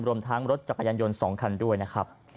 รวมทั้งรถจักรยานยนต์๒คันด้วยนะครับ